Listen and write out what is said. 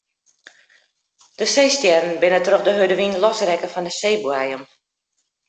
De seestjerren binne troch de hurde wyn losrekke fan de seeboaiem.